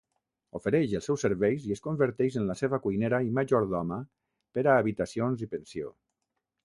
Ofereix els seus serveis i es converteix en la seva cuinera i majordoma per a habitacions i pensió.